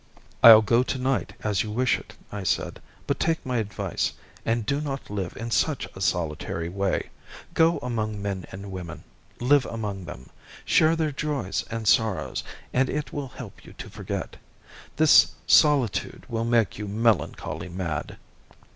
"I'll go tonight, as you wish it," I said; "but take my advice, and do not live in such a solitary way. Go among men and women; live among them. Share their joys and sorrows, and it will help you to forget. This solitude will make you melancholy mad."